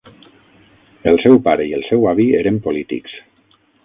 El seu pare i el seu avi eren polítics.